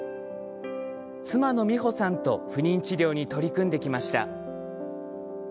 妻の美保さんと不妊治療に取り組んできました。